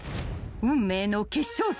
運命の決勝戦］